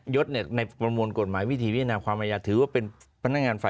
ยถในประมวลกฎหมายวิธีวิธีนามความระยะถือว่าเป็น